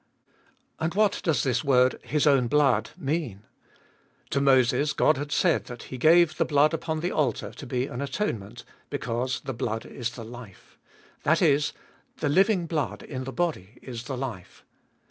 And what does this word, His own blood, mean ? To Moses God had said that He gave the blood upon the altar to be an atonement, because the blood is the life. That is, the living blood in the body is the life.